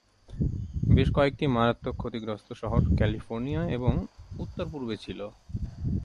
বেশ কয়েকটি মারাত্মক ক্ষতিগ্রস্ত শহর ক্যালিফোর্নিয়া এবং উত্তর-পূর্বে ছিল।